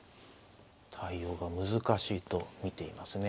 対応が難しいと見ていますね。